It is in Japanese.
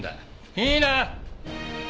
いいな？